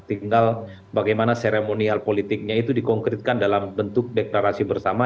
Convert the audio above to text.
tinggal bagaimana seremonial politiknya itu dikonkretkan dalam bentuk deklarasi bersama